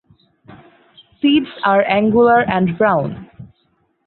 Seeds are angular and brown.